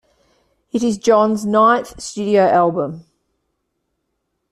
It is John's ninth studio album.